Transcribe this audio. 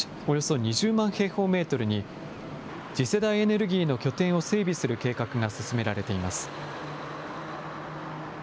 およそ２０万平方メートルに次世代エネルギーの拠点を整備する計画が進められています。